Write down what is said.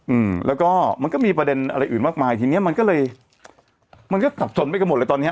อืมแล้วก็มันก็มีประเด็นอะไรอื่นมากมายทีเนี้ยมันก็เลยมันก็สับสนไปกันหมดเลยตอนเนี้ย